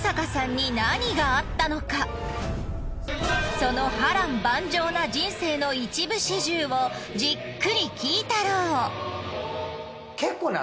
その波瀾万丈な人生の一部始終をじっくり聞いタロウ。